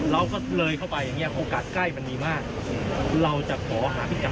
เราก็เลยเข้าไปอย่างเงี้โอกาสใกล้มันดีมากเราจะขอหาพิกรรม